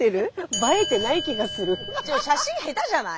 写真下手じゃない？